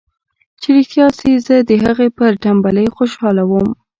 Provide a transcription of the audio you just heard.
چې رښتيا سي زه د هغه پر ټمبلۍ خوشاله وم.